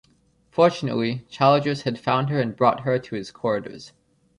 Fortunately, Childress had found her and brought her to his quarters.